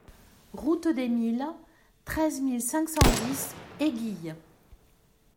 Route des Milles, treize mille cinq cent dix Éguilles